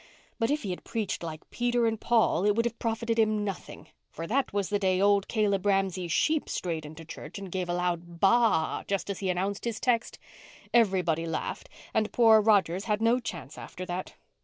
"But if he had preached like Peter and Paul it would have profited him nothing, for that was the day old Caleb Ramsay's sheep strayed into church and gave a loud 'ba a a' just as he announced his text. Everybody laughed, and poor Rogers had no chance after that.